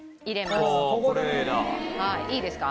いいですか？